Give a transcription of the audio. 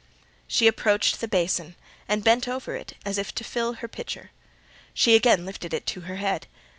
She approached the basin, and bent over it as if to fill her pitcher; she again lifted it to her head.